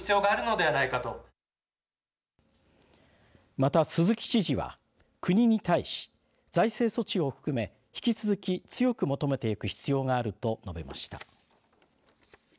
また、鈴木知事は国に対し、財政措置を含め引き続き強く求めていく必要があると述べました。